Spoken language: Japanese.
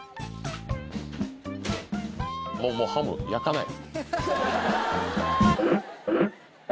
もうハム焼かない。